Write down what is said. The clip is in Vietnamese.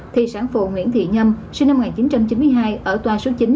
thì sản phụ nguyễn thị nhâm sinh năm một nghìn chín trăm chín mươi hai ở tòa số chín